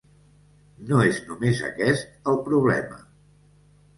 No és només aquest el problema.